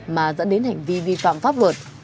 mà dẫn đến hành vi vi phạm pháp luật